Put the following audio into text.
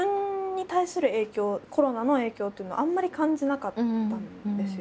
コロナの影響っていうのをあんまり感じなかったんですよ。